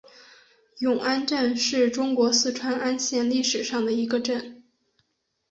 永安镇是中国四川安县历史上的一个镇。